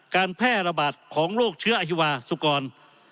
การแพร่ระบาดของโรคเชื้ออฮิวาสุกร